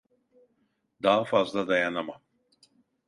Daha fazla dayanamam.